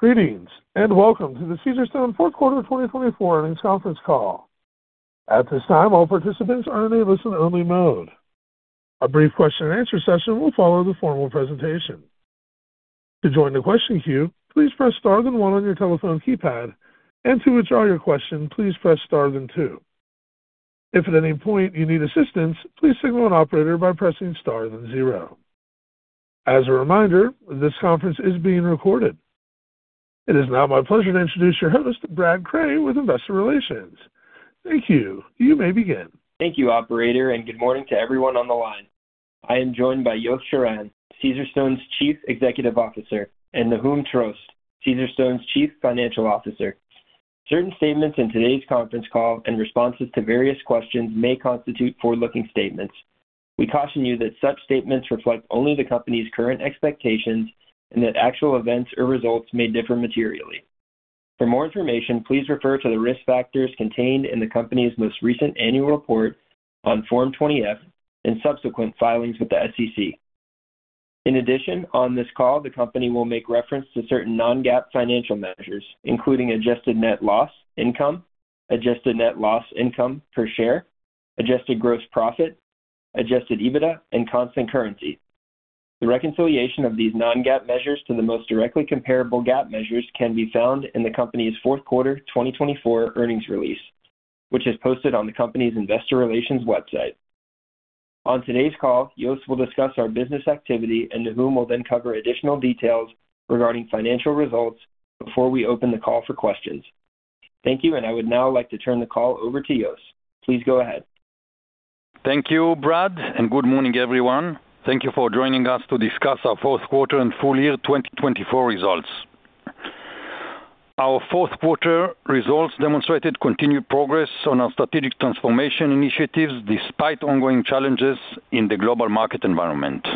Greetings and welcome to the Caesarstone fourth quarter 2024 earnings conference call. At this time, all participants are in a listen-only mode. A brief question-and-answer session will follow the formal presentation. To join the question queue, please press star then one on your telephone keypad, and to withdraw your question, please press star then 2. If at any point you need assistance, please signal an operator by pressing star then 0. As a reminder, this conference is being recorded. It is now my pleasure to introduce your host, Brad Cray, with Investor Relations. Thank you. You may begin. Thank you, Operator, and good morning to everyone on the line. I am joined by Yosef Shiran, Caesarstone's Chief Executive Officer, and Nahum Trost, Caesarstone's Chief Financial Officer. Certain statements in today's conference call and responses to various questions may constitute forward-looking statements. We caution you that such statements reflect only the company's current expectations and that actual events or results may differ materially. For more information, please refer to the risk factors contained in the company's most recent annual report on Form 20-F and subsequent filings with the SEC. In addition, on this call, the company will make reference to certain non-GAAP financial measures, including Adjusted Net Loss Income, Adjusted Net Loss Income per share, Adjusted Gross Profit, Adjusted EBITDA, and constant currency. The reconciliation of these non-GAAP measures to the most directly comparable GAAP measures can be found in the company's fourth quarter 2024 earnings release, which is posted on the company's Investor Relations website. On today's call, Yosef will discuss our business activity, and Nahum will then cover additional details regarding financial results before we open the call for questions. Thank you, and I would now like to turn the call over to Yosef. Please go ahead. Thank you, Brad, and good morning, everyone. Thank you for joining us to discuss our fourth quarter and full year 2024 results. Our fourth quarter results demonstrated continued progress on our strategic transformation initiatives despite ongoing challenges in the global market environment.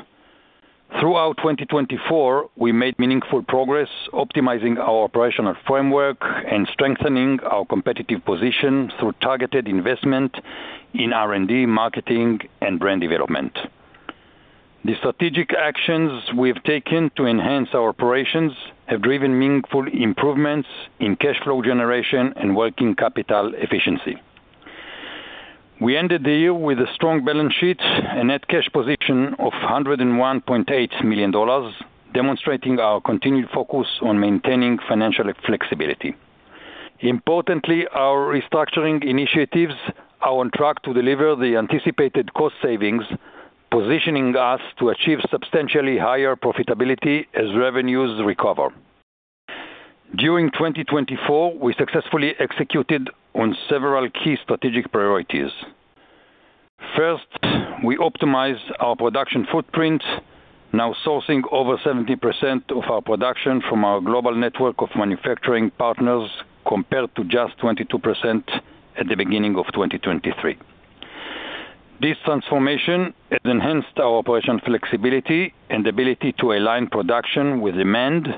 Throughout 2024, we made meaningful progress, optimizing our operational framework and strengthening our competitive position through targeted investment in R&D, marketing, and brand development. The strategic actions we've taken to enhance our operations have driven meaningful improvements in cash flow generation and working capital efficiency. We ended the year with a strong balance sheet and net cash position of $101.8 million, demonstrating our continued focus on maintaining financial flexibility. Importantly, our restructuring initiatives are on track to deliver the anticipated cost savings, positioning us to achieve substantially higher profitability as revenues recover. During 2024, we successfully executed on several key strategic priorities. First, we optimized our production footprint, now sourcing over 70% of our production from our global network of manufacturing partners compared to just 22% at the beginning of 2023. This transformation has enhanced our operational flexibility and ability to align production with demand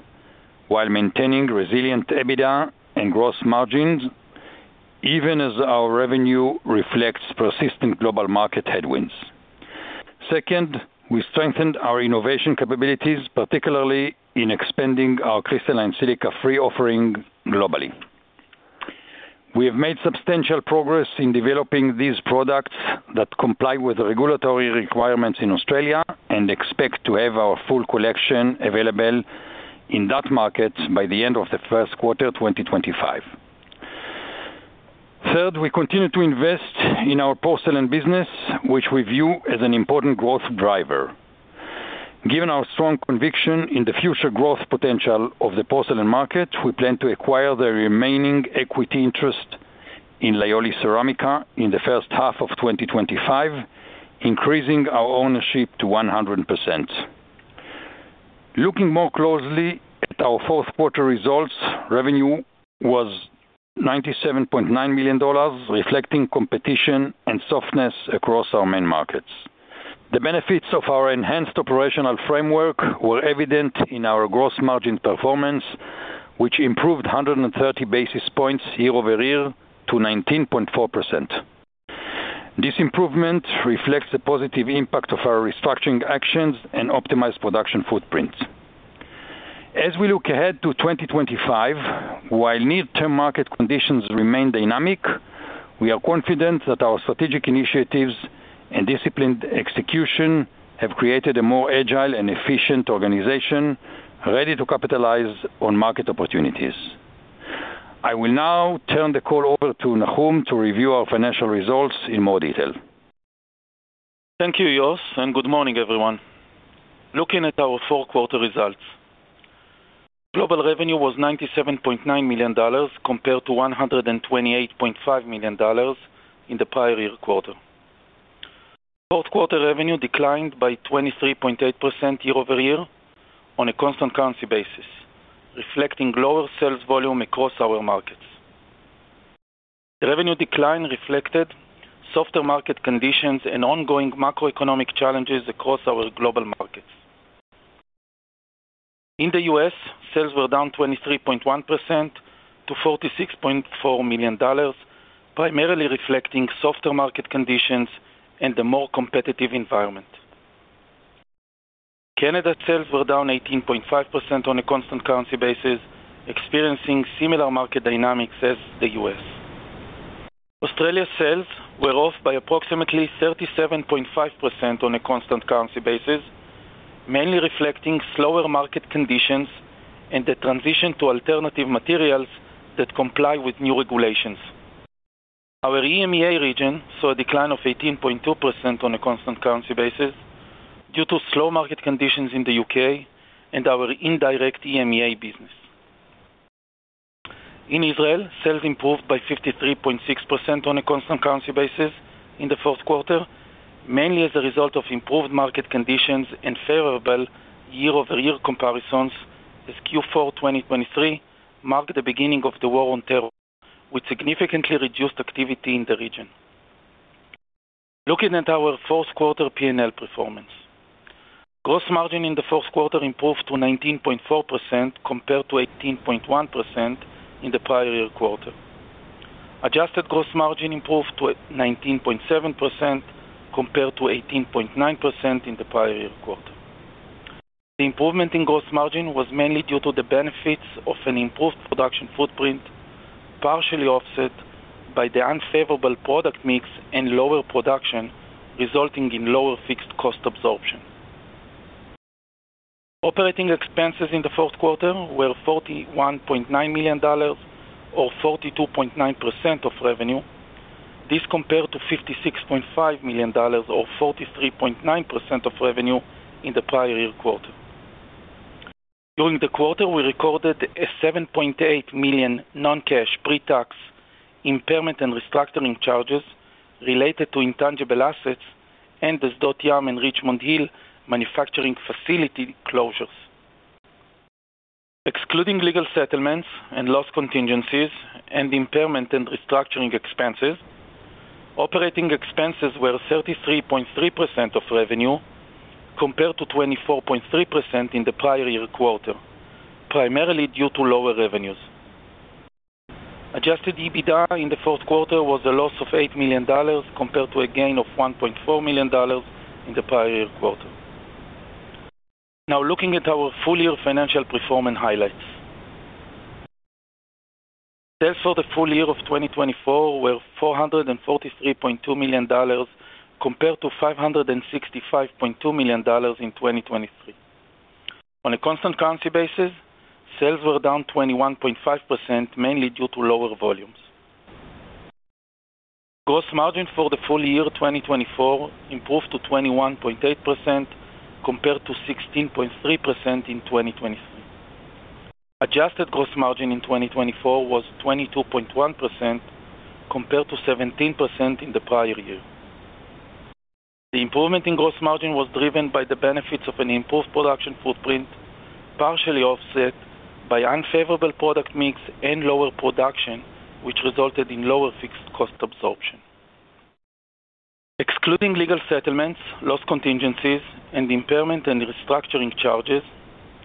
while maintaining resilient EBITDA and gross margins, even as our revenue reflects persistent global market headwinds. Second, we strengthened our innovation capabilities, particularly in expanding our crystalline silica-free offering globally. We have made substantial progress in developing these products that comply with regulatory requirements in Australia and expect to have our full collection available in that market by the end of the first quarter 2025. Third, we continue to invest in our porcelain business, which we view as an important growth driver. Given our strong conviction in the future growth potential of the porcelain market, we plan to acquire the remaining equity interest in Lioli Ceramica in the first half of 2025, increasing our ownership to 100%. Looking more closely at our fourth quarter results, revenue was $97.9 million, reflecting competition and softness across our main markets. The benefits of our enhanced operational framework were evident in our gross margin performance, which improved 130 basis points year-over-year to 19.4%. This improvement reflects the positive impact of our restructuring actions and optimized production footprint. As we look ahead to 2025, while near-term market conditions remain dynamic, we are confident that our strategic initiatives and disciplined execution have created a more agile and efficient organization ready to capitalize on market opportunities. I will now turn the call over to Nahum to review our financial results in more detail. Thank you, Yosef, and good morning, everyone. Looking at our fourth quarter results, global revenue was $97.9 million compared to $128.5 million in the prior year quarter. Fourth quarter revenue declined by 23.8% year-over-year on a constant currency basis, reflecting lower sales volume across our markets. Revenue decline reflected softer market conditions and ongoing macroeconomic challenges across our global markets. In the U.S., sales were down 23.1% to $46.4 million, primarily reflecting softer market conditions and a more competitive environment. In Canada, sales were down 18.5% on a constant currency basis, experiencing similar market dynamics as the U.S. Australia's sales were off by approximately 37.5% on a constant currency basis, mainly reflecting slower market conditions and the transition to alternative materials that comply with new regulations. Our EMEA region saw a decline of 18.2% on a constant currency basis due to slow market conditions in the U.K. and our indirect EMEA business. In Israel, sales improved by 53.6% on a constant currency basis in the fourth quarter, mainly as a result of improved market conditions and favorable year-over-year comparisons as Q4 2023 marked the beginning of the war on terror, with significantly reduced activity in the region. Looking at our fourth quarter P&L performance, gross margin in the fourth quarter improved to 19.4% compared to 18.1% in the prior year quarter. Adjusted gross margin improved to 19.7% compared to 18.9% in the prior year quarter. The improvement in gross margin was mainly due to the benefits of an improved production footprint, partially offset by the unfavorable product mix and lower production, resulting in lower fixed cost absorption. Operating expenses in the fourth quarter were $41.9 million, or 42.9% of revenue. This compared to $56.5 million, or 43.9% of revenue in the prior year quarter. During the quarter, we recorded a $7.8 million non-cash, pre-tax impairment and restructuring charges related to intangible assets and the Richmond Hill manufacturing facility closures. Excluding legal settlements and loss contingencies and impairment and restructuring expenses, operating expenses were 33.3% of revenue compared to 24.3% in the prior year quarter, primarily due to lower revenues. Adjusted EBITDA in the fourth quarter was a loss of $8 million compared to a gain of $1.4 million in the prior year quarter. Now, looking at our full year financial performance highlights, sales for the full year of 2024 were $443.2 million compared to $565.2 million in 2023. On a constant currency basis, sales were down 21.5%, mainly due to lower volumes. Gross margin for the full year 2024 improved to 21.8% compared to 16.3% in 2023. Adjusted gross margin in 2024 was 22.1% compared to 17% in the prior year. The improvement in gross margin was driven by the benefits of an improved production footprint, partially offset by unfavorable product mix and lower production, which resulted in lower fixed cost absorption. Excluding legal settlements, loss contingencies, and impairment and restructuring charges,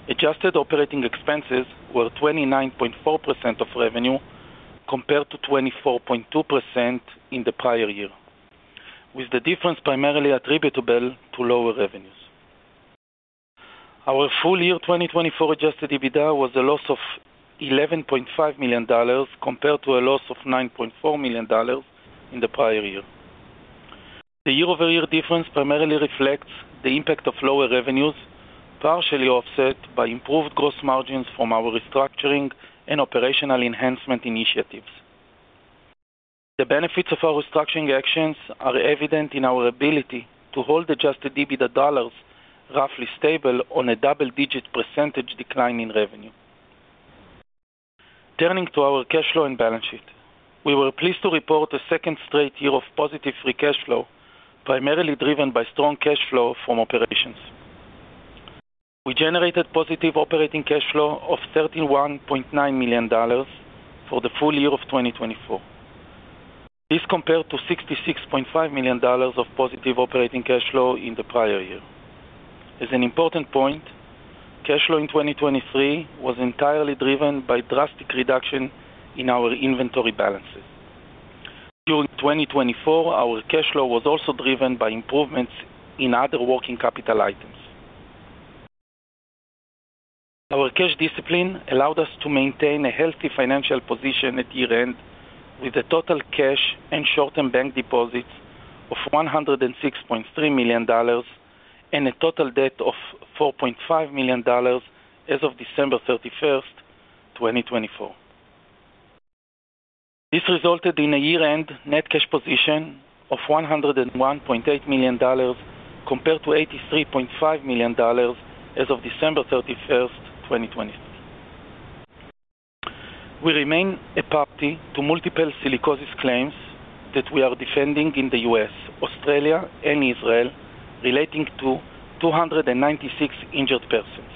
adjusted operating expenses were 29.4% of revenue compared to 24.2% in the prior year, with the difference primarily attributable to lower revenues. Our full year 2024 adjusted EBITDA was a loss of $11.5 million compared to a loss of $9.4 million in the prior year. The year-over-year difference primarily reflects the impact of lower revenues, partially offset by improved gross margins from our restructuring and operational enhancement initiatives. The benefits of our restructuring actions are evident in our ability to hold adjusted EBITDA roughly stable on a double-digit % decline in revenue. Turning to our cash flow and balance sheet, we were pleased to report a second straight year of positive free cash flow, primarily driven by strong cash flow from operations. We generated positive operating cash flow of $31.9 million for the full year of 2024. This compared to $66.5 million of positive operating cash flow in the prior year. As an important point, cash flow in 2023 was entirely driven by drastic reduction in our inventory balances. During 2024, our cash flow was also driven by improvements in other working capital items. Our cash discipline allowed us to maintain a healthy financial position at year-end, with a total cash and short-term bank deposits of $106.3 million and a total debt of $4.5 million as of December 31, 2024. This resulted in a year-end net cash position of $101.8 million compared to $83.5 million as of December 31, 2023. We remain a party to multiple silicosis claims that we are defending in the U.S., Australia, and Israel, relating to 296 injured persons.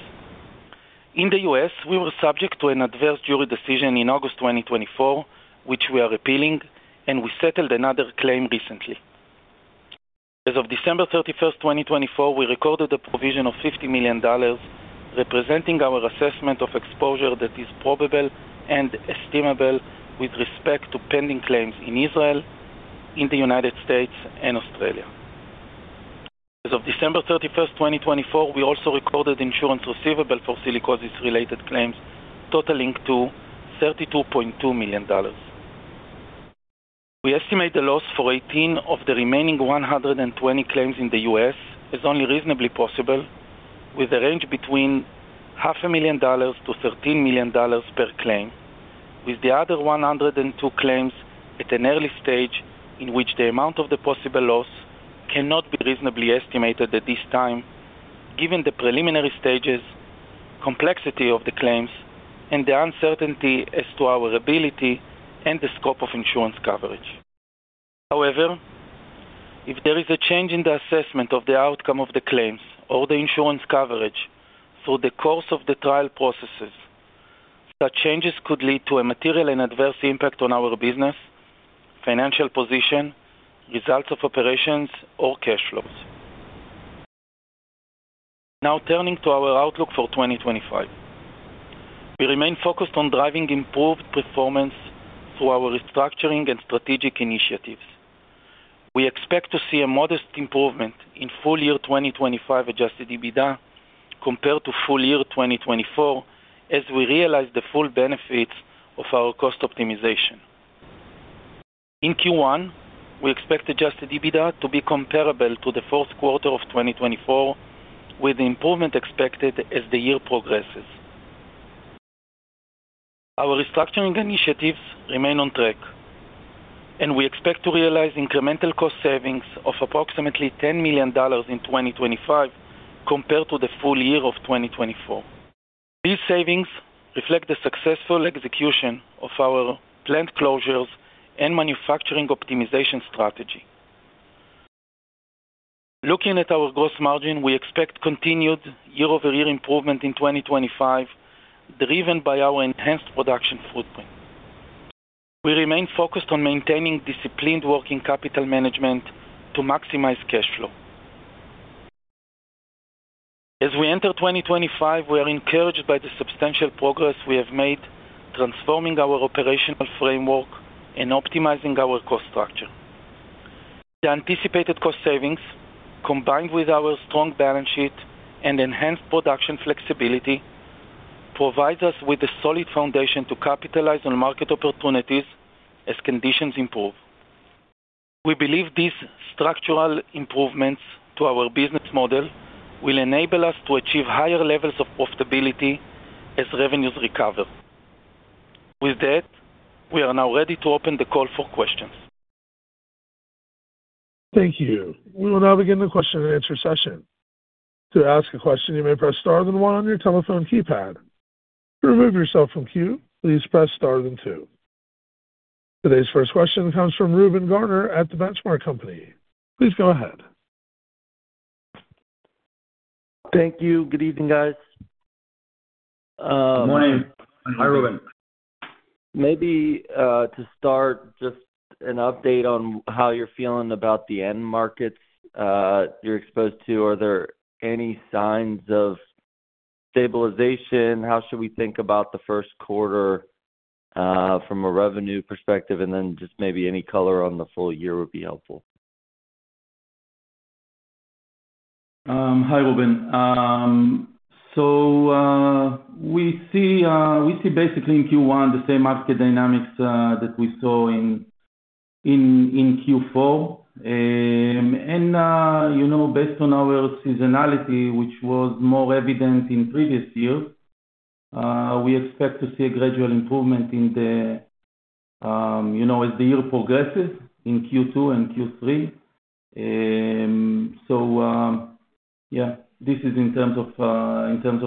In the U.S., we were subject to an adverse jury decision in August 2024, which we are appealing, and we settled another claim recently. As of December 31, 2024, we recorded a provision of $50 million, representing our assessment of exposure that is probable and estimable with respect to pending claims in Israel, in the United States, and Australia. As of December 31, 2024, we also recorded insurance receivable for silicosis-related claims, totaling $32.2 million. We estimate the loss for 18 of the remaining 120 claims in the US as only reasonably possible, with a range between $500,000-$13,000,000 per claim, with the other 102 claims at an early stage in which the amount of the possible loss cannot be reasonably estimated at this time, given the preliminary stages, complexity of the claims, and the uncertainty as to our ability and the scope of insurance coverage. However, if there is a change in the assessment of the outcome of the claims or the insurance coverage through the course of the trial processes, such changes could lead to a material and adverse impact on our business, financial position, results of operations, or cash flows. Now, turning to our outlook for 2025, we remain focused on driving improved performance through our restructuring and strategic initiatives. We expect to see a modest improvement in full year 2025 adjusted EBITDA compared to full year 2024, as we realize the full benefits of our cost optimization. In Q1, we expect adjusted EBITDA to be comparable to the fourth quarter of 2024, with improvement expected as the year progresses. Our restructuring initiatives remain on track, and we expect to realize incremental cost savings of approximately $10 million in 2025 compared to the full year of 2024. These savings reflect the successful execution of our planned closures and manufacturing optimization strategy. Looking at our gross margin, we expect continued year-over-year improvement in 2025, driven by our enhanced production footprint. We remain focused on maintaining disciplined working capital management to maximize cash flow. As we enter 2025, we are encouraged by the substantial progress we have made, transforming our operational framework and optimizing our cost structure. The anticipated cost savings, combined with our strong balance sheet and enhanced production flexibility, provide us with a solid foundation to capitalize on market opportunities as conditions improve. We believe these structural improvements to our business model will enable us to achieve higher levels of profitability as revenues recover. With that, we are now ready to open the call for questions. Thank you. We will now begin the question-and-answer session. To ask a question, you may press star then one on your telephone keypad. To remove yourself from queue, please press star then two. Today's first question comes from Reuben Garner at the Benchmark Company. Please go ahead. Thank you. Good evening, guys. Good morning. Hi, Reuben. Maybe to start, just an update on how you're feeling about the end markets you're exposed to. Are there any signs of stabilization? How should we think about the first quarter from a revenue perspective? Just maybe any color on the full year would be helpful. Hi, Reuben. We see basically in Q1 the same market dynamics that we saw in Q4. Based on our seasonality, which was more evident in previous years, we expect to see a gradual improvement as the year progresses in Q2 and Q3. Yeah, this is in terms of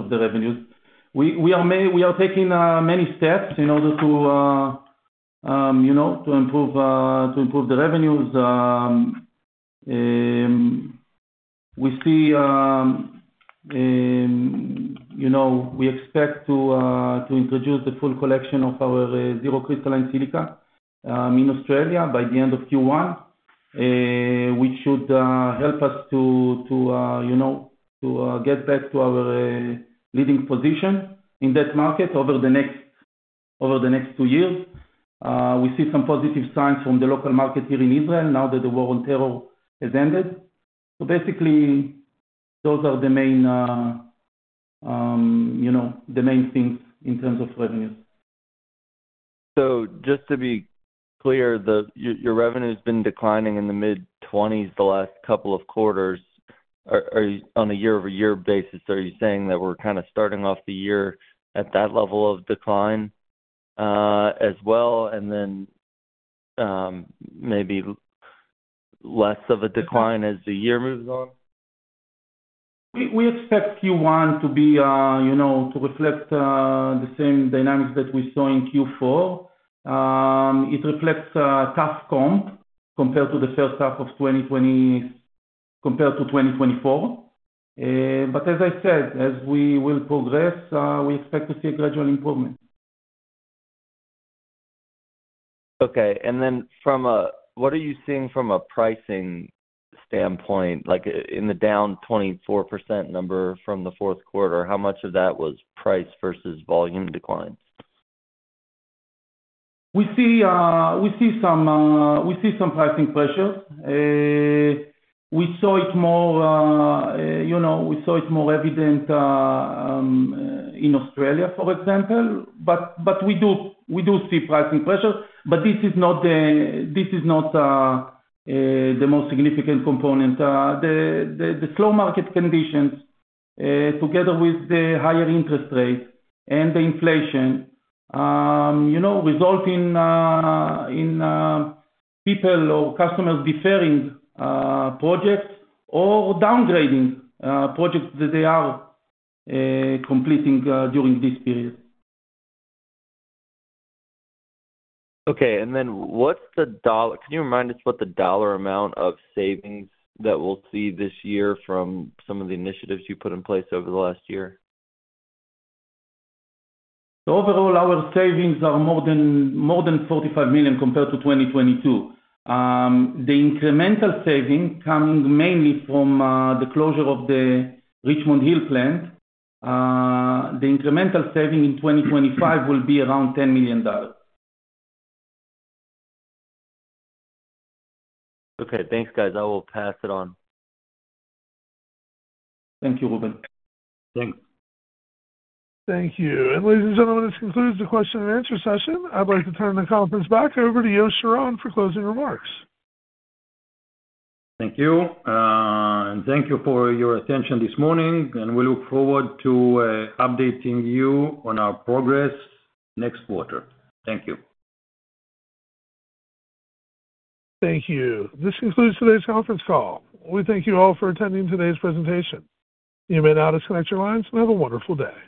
the revenues. We are taking many steps in order to improve the revenues. We expect to introduce the full collection of our zero crystalline silica in Australia by the end of Q1, which should help us to get back to our leading position in that market over the next two years. We see some positive signs from the local market here in Israel now that the war on terror has ended. Basically, those are the main things in terms of revenues. Just to be clear, your revenue has been declining in the mid-20s the last couple of quarters on a year-over-year basis. Are you saying that we're kind of starting off the year at that level of decline as well, and then maybe less of a decline as the year moves on? We expect Q1 to reflect the same dynamics that we saw in Q4. It reflects a tough comp compared to the first half of 2020 compared to 2024. As I said, as we will progress, we expect to see a gradual improvement. Okay. What are you seeing from a pricing standpoint? In the down 24% number from the fourth quarter, how much of that was price versus volume declines? We see some pricing pressures. We saw it more, we saw it more evident in Australia, for example. We do see pricing pressure. This is not the most significant component. The slow market conditions, together with the higher interest rate and the inflation, result in people or customers deferring projects or downgrading projects that they are completing during this period. Okay. Can you remind us what the dollar amount of savings that we'll see this year from some of the initiatives you put in place over the last year? Overall, our savings are more than $45 million compared to 2022. The incremental saving coming mainly from the closure of the Richmond Hill plant, the incremental saving in 2025 will be around $10 million. Okay. Thanks, guys. I will pass it on. Thank you, Reuben. Thanks. Thank you. Ladies and gentlemen, this concludes the question-and-answer session. I'd like to turn the conference back over to Yosef Shiran for closing remarks. Thank you. Thank you for your attention this morning. We look forward to updating you on our progress next quarter. Thank you. Thank you. This concludes today's conference call. We thank you all for attending today's presentation. You may now disconnect your lines and have a wonderful day.